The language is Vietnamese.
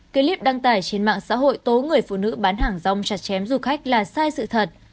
clip đăng tải trên mạng xã hội tố người phụ nữ bán hàng rong chặt chém du khách là sai sự thật